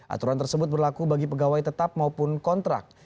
aturan tersebut berlaku bagi pegawai tetap maupun kontrak